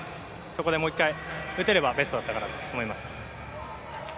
そこでもう１回打てればベストだったかなと思います。